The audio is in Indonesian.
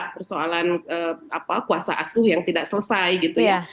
persoalan puasa asuh yang tidak selesai gitu ya